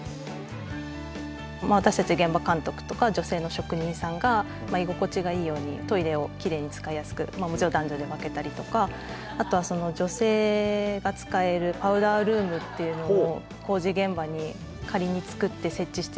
私たち現場かんとくとか女性の職人さんが居心地がいいようにトイレをきれいに使いやすくもちろん男女で分けたりとかあとはその女性が使えるパウダールームっていうのを最近は。